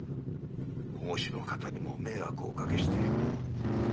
保護司の方にも迷惑をおかけして。